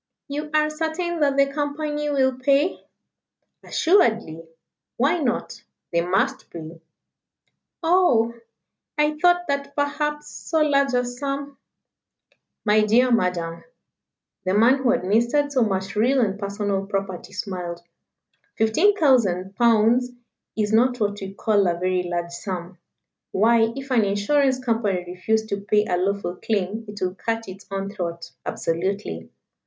"You are certain that the Company will pay?" "Assuredly. Why not? They must pay." "Oh! I thought that perhaps so large a sum " "My dear Madam" the man who administered so much real and personal property smiled "fifteen thousand pounds is not what we call a very large sum. Why, if an Insurance Company refused to pay a lawful claim it would cut its own throat absolutely.